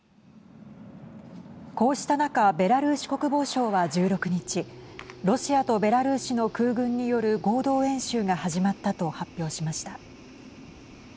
こうした中ベラルーシ国防省は１６日ロシアとベラルーシの空軍による合同演習が始まったと発表しました。